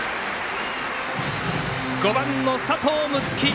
５番の佐藤夢樹